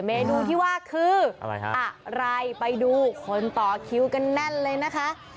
เมนูที่ว่าคืออะไรฮะอะไรไปดูคนต่อคิวกันแน่นเลยนะคะ